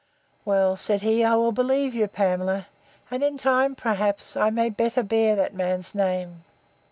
Well, said he, I will believe you, Pamela; and in time, perhaps, I may better bear that man's name.